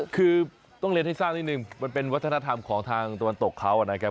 คือต้องเรียนให้ทราบนิดนึงมันเป็นวัฒนธรรมของทางตะวันตกเขานะครับ